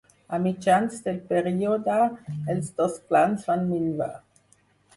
A mitjans del període, els dos clans van minvar.